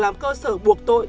làm cơ sở buộc tội